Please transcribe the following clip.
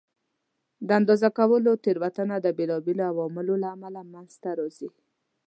د اندازه کولو تېروتنه د بېلابېلو عواملو له امله منځته راځي.